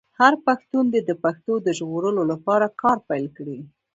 هر پښتون دې د پښتو د ژغورلو لپاره کار پیل کړي.